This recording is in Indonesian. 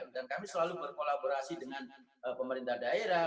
dan kami selalu berkolaborasi dengan pemerintah daerah